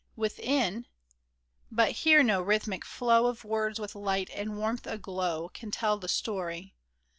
Within But here no rhythmic flow Of words with light and warmth aglow Can tell the story.